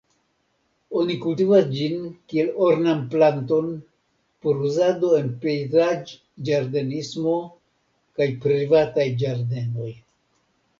Oni kultivas ĝin kiel ornam-planton por uzado en pejzaĝ-ĝardenismo kaj privataj ĝardenoj.